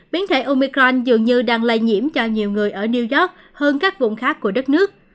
biến thể omicron dường như đang lây nhiễm cho nhiều người ở new york hơn các vùng khác của đất nước